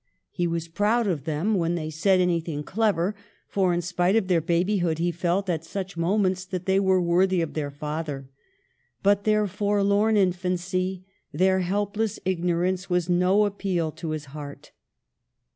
He was proud of them when they said anything clever, for, in spite of their baby hood, he felt at such moments that they were worthy of their father ; but their forlorn infancy, their helpless ignorance, was no appeal to his heart.